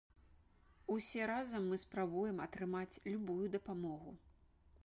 Усе разам мы спрабуем атрымаць любую дапамогу.